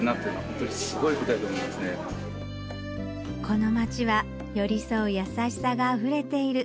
この街は寄り添う優しさがあふれている